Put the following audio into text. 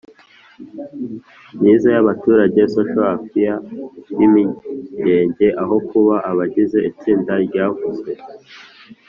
myiza y abaturage social affairs b Imirenge aho kuba abagize itsinda ryavuzwe